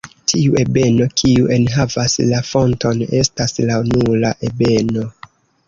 Tiu ebeno kiu enhavas la fonton estas la "nula" ebeno.